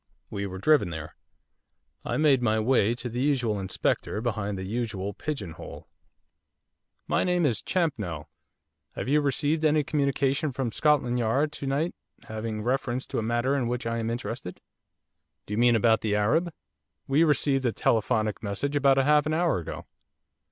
We were driven there. I made my way to the usual inspector behind the usual pigeon hole. 'My name is Champnell. Have you received any communication from Scotland Yard to night having reference to a matter in which I am interested?' 'Do you mean about the Arab? We received a telephonic message about half an hour ago.